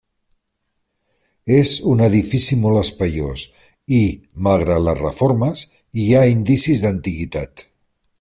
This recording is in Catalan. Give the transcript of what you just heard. És un edifici molt espaiós i, malgrat les reformes, hi ha indicis d'antiguitat.